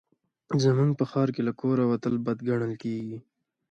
زموږ په ښار کې له کوره وتل بد ګڼل کېږي